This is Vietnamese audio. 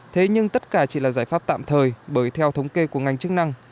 thế nhưng tất cả chỉ là giải pháp tạm thời bởi theo thống kê của ngành chức năng